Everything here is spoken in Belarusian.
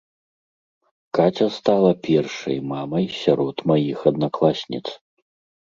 Каця стала першай мамай сярод маіх аднакласніц.